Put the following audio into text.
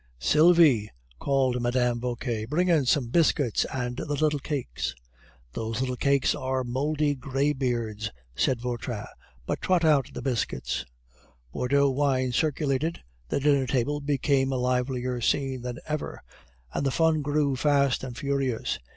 "Sylvie," called Mme. Vauquer, "bring in some biscuits, and the little cakes." "Those little cakes are mouldy graybeards," said Vautrin. "But trot out the biscuits." The Bordeaux wine circulated; the dinner table became a livelier scene than ever, and the fun grew fast and furious.